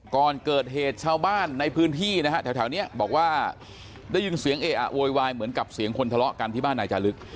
ก่อนเกิดเหตุชาวบ้านในพื้นที่นะฮะแถวนี้บอกว่าได้ยินเสียงเออะโวยวายเหมือนกับเสียงคนทะเลาะกันที่บ้านนายจาลึก